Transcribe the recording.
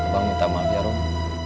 bang minta maaf ya rom